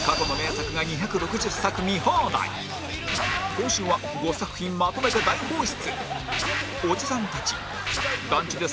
今週は５作品まとめて大放出